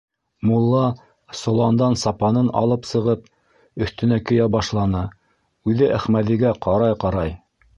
Мулла, соландан сапанын алып сығып, өҫтөнә кейә башланы, үҙе Әхмәҙигә ҡарай-ҡарай: